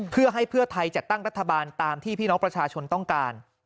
เพื่อให้เพื่อไทยจัดตั้งรัฐบาลตามที่พี่น้องประชาชนต้องการ